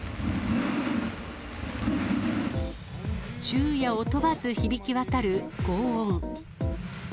昼夜を問わず響き渡る、ごう音。